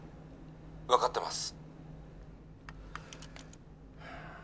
「わかってます」